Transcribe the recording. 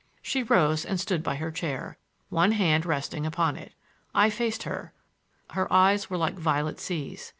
She rose and stood by her chair, one hand resting upon it. I faced her; her eyes were like violet seas.